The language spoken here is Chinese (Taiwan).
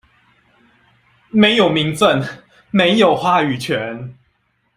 沒有名份，沒有話語權